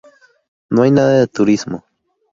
No hay nada de turismo